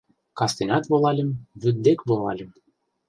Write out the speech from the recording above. Кастенат волальым, вӱд дек волальым